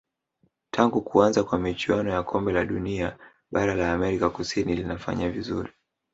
tangu kuanza kwa michuano ya kombe la dunia bara la amerika kusini linafanya vizuri